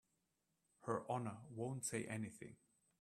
Her Honor won't say anything.